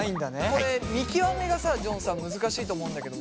これ見極めがさジョンさん難しいと思うんだけども。